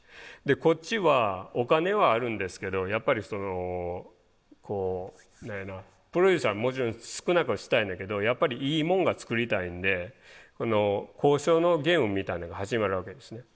こっちはお金はあるんですけどやっぱりそのこうプロデューサーはもちろん少なくはしたいんだけどやっぱりいいもんが作りたいんで交渉のゲームみたいなのが始まるわけですね。